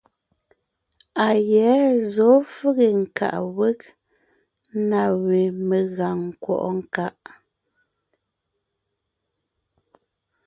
A yɛ̌ zɔ̌ fege nkaʼ wég na we megàŋ nkwɔ́ʼɔ nkaʼ.